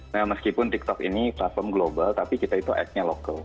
nah meskipun tiktok ini platform global tapi kita itu act nya lokal